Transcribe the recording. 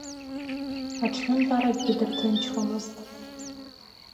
Аҽнынтәаракгьы дарҭынчуамызт.